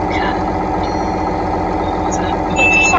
子夏完淳亦为抗清烈士。